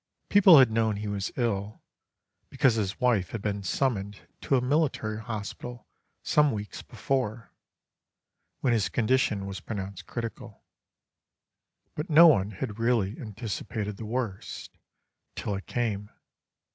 People had known he was ill, because his wife had been summoned to a military hospital some weeks before, when his condition was pronounced critical. But no one had really anticipated the worst—till it came.